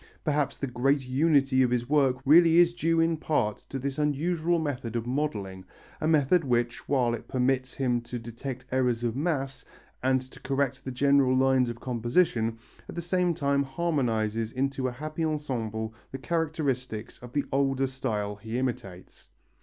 Perhaps the great unity of his work really is due in part to this unusual method of modelling, a method which, while it permits him to detect errors of mass, and to correct the general lines of composition, at the same time harmonizes into a happy ensemble the characteristics of the older style he imitates.